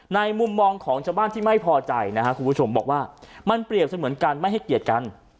มุมมองของชาวบ้านที่ไม่พอใจนะครับคุณผู้ชมบอกว่ามันเปรียบเสมือนกันไม่ให้เกียรติกัน